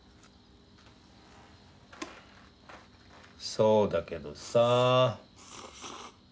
そうだけどさ。